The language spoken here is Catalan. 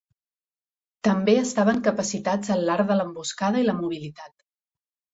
També estaven capacitats en l'art de l'emboscada i la mobilitat.